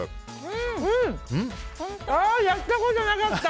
やったことなかった。